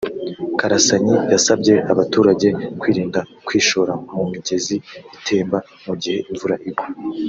Karasanyi yasabye abaturage kwirinda kwishora mu migezi itemba mu gihe imvura igwa